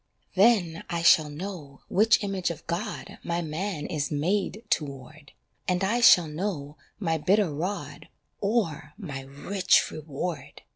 Then I shall know which image of God My man is made toward, And I shall know my bitter rod Or my rich reward.